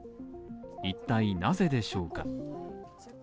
一体なぜでしょうか？